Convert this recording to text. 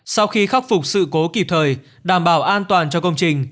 sau khi khắc phục sự cố kịp thời đảm bảo an toàn cho công trình